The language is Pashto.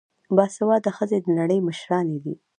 باسواده ښځې د نړۍ مشرانې دي.